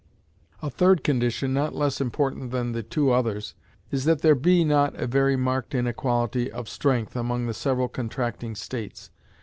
A third condition, not less important than the two others, is that there be not a very marked inequality of strength among the several contracting states.